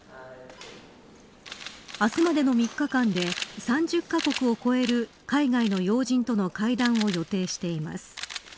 明日までの３日間で３０か国を超える海外の要人との会談を予定しています。